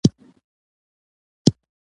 هغه موږ ته لارښوونه وکړه.